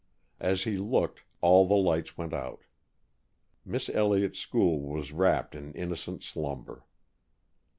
As he looked, all the lights went out. Miss Elliott's School was wrapped in innocent slumber.